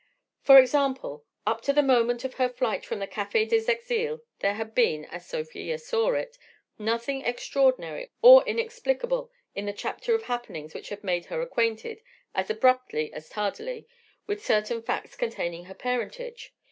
For example: Up to the moment of her flight from the Café des Exiles there had been, as Sofia saw it, nothing extraordinary or inexplicable in the chapter of happenings which had made her acquainted, as abruptly as tardily, with certain facts concerning her parentage.